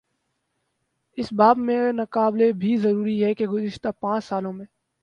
اس باب میں تقابل بھی ضروری ہے کہ گزشتہ پانچ سالوں میں